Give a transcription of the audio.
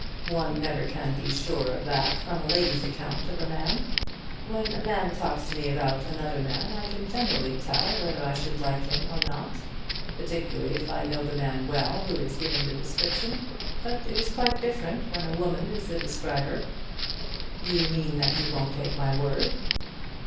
"One never can be sure of that from a lady's account of a man. When a man talks to me about another man, I can generally tell whether I should like him or not particularly if I know the man well who is giving the description; but it is quite different when a woman is the describer." "You mean that you won't take my word?"